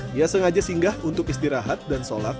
dia sengaja singgah untuk istirahat dan sholat